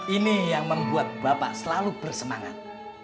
ini yang membuat bapak selalu bersemangat